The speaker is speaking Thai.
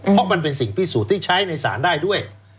เพราะมันเป็นสิ่งพิสูจน์ที่ใช้ในศาลได้ด้วย